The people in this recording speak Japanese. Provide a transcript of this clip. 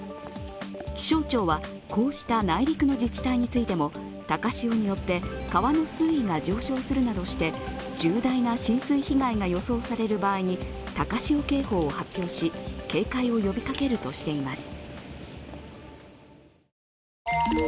気象庁は、こうした内陸の自治体についても、高潮によって川の水位が上昇するなどして重大な浸水被害が予想される場合に高潮警報を発表し、警戒を呼びかけるとしています。